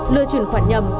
lừa chuyển khoản nhầm